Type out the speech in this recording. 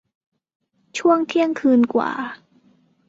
ช่วงเที่ยงคืนกว่า